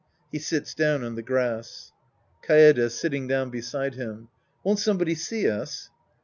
{He sits down on the grass.) Kaede {^sitting down beside him). Won't somebody see us